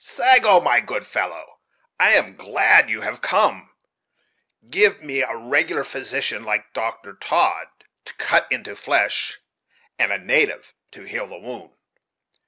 sago my good fellow I am glad you have come; give me a regular physician, like Dr. Todd to cut into flesh, and a native to heal the wound.